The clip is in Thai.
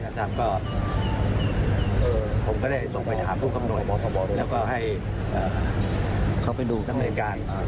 ผมก็ได้ส่งไปถามผู้กำหนดแล้วก็ให้เขาไปดูกัน